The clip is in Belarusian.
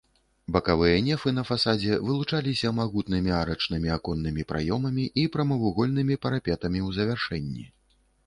Бакавыя нефы на фасадзе вылучаліся магутнымі арачнымі аконнымі праёмамі і прамавугольнымі парапетамі ў завяршэнні.